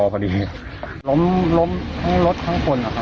เบิร์ตลมเสียโอ้โห